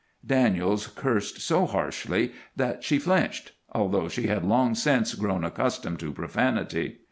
Daniels cursed so harshly that she flinched, although she had long since grown accustomed to profanity.